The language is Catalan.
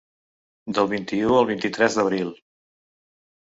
Del vint-i-u al vint-i-tres d’abril.